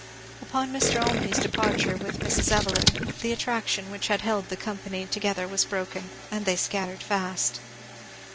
Upon Mr. Olmney's departure with Mrs. Evelyn the attraction which had held the company together was broken, and they scattered fast.